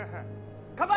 ・乾杯！